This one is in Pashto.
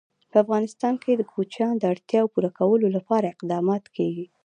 په افغانستان کې د کوچیان د اړتیاوو پوره کولو لپاره اقدامات کېږي.